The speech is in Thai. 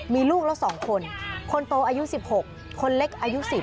มีลูกแล้ว๒คนคนโตอายุ๑๖คนเล็กอายุ๑๐